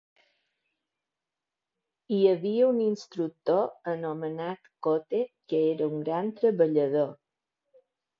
Hi havia un instructor anomenat Kote que era un gran treballador.